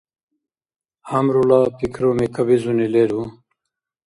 ГӀямрула пикруми-кабизуни леру?